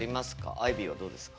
アイビーはどうですか？